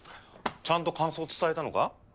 ちゃんと感想伝えたのか？